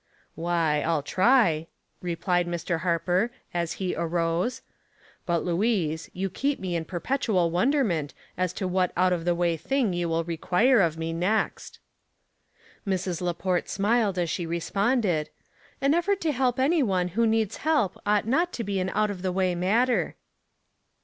" "Why, I'll try," replied Mr. Harper, as he arose. " But, Louise, you keep me in perpetual wonderment as to what out of the way thing you will require of me next." Mrs. Laport smiled as she responded, " An effort to help any one who needs help ought not to be an out of the way matter."